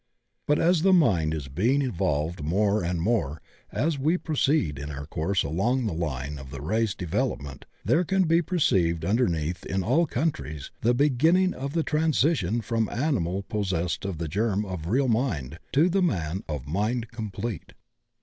But as Mind is being evolved more and more as we proceed in our course along the line of the race development, there can be perceived under neath in all countries the beginning of the transition from the animal possessed of the germ of real mind to the man of mind complete.